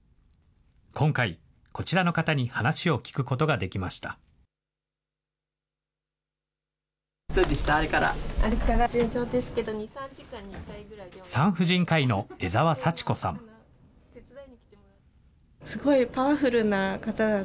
今回、こちらの方に話を聞くことどうでした？